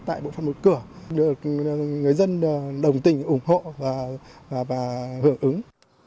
tại bộ phận một cửa được người dân đồng tình ủng hộ và hưởng ứng